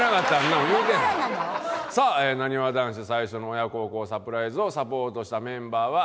さあなにわ男子最初の親孝行サプライズをサポートしたメンバーは。